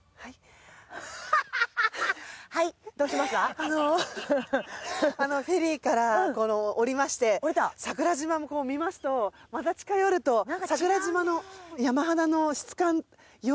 あのフェリーから降りまして桜島を見ますとまた近寄ると桜島の山肌の質感溶岩の感じ。